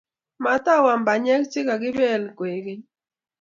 Matahuam banyek chegikibeel koeg keny